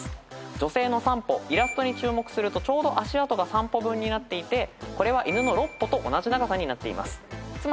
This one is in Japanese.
女性の「さんぽ」イラストに注目するとちょうど足跡が３歩分になっていてこれは犬の６歩と同じ長さになっています。